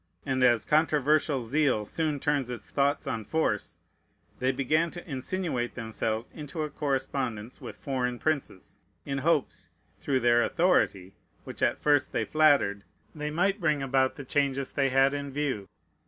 And as controversial zeal soon turns its thoughts on force, they began to insinuate themselves into a correspondence with foreign princes, in hopes, through their authority, which at first they flattered, they might bring about the changes they had in view.